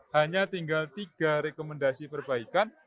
hanya tinggal tiga rekomendasi perbaikan